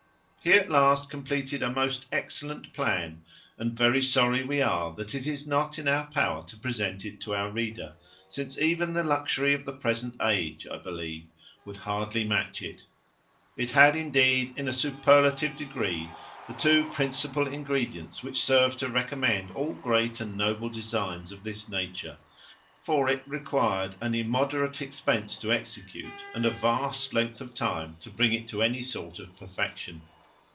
He at last completed a most excellent plan: and very sorry we are, that it is not in our power to present it to our reader, since even the luxury of the present age, I believe, would hardly match it. It had, indeed, in a superlative degree, the two principal ingredients which serve to recommend all great and noble designs of this nature; for it required an immoderate expense to execute, and a vast length of time to bring it to any sort of perfection.